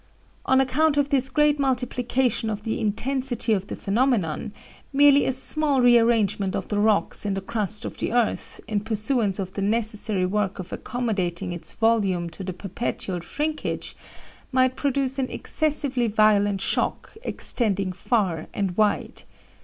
On account of this great multiplication of the intensity of the phenomenon, merely a small rearrangement of the rocks in the crust of the earth, in pursuance of the necessary work of accommodating its volume to the perpetual shrinkage, might produce an excessively violent shock, extending far and wide.